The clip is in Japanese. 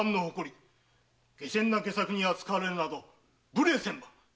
下賤な戯作に扱われるなど無礼千万。